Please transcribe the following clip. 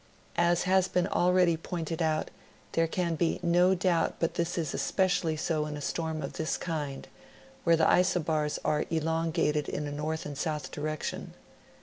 As has been already pointed out, there can be no doubt but that this is espe cially so in a storm of this kind, where the isobars are elongated in a north and south direction.